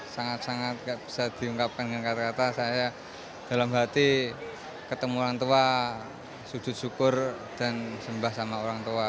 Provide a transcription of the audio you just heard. sangat sangat bisa diungkapkan dengan kata kata saya dalam hati ketemu orang tua sujud syukur dan sembah sama orang tua